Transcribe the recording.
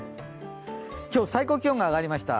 今日、最高気温が上がりました。